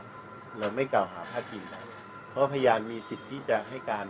เราไม่กล่าวหาพาดพิงอะไรเพราะพยานมีสิทธิ์ที่จะให้การ